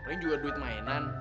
ini juga duit mainan